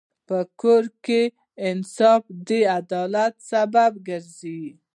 په کور کې انصاف د عدالت سبب ګرځي.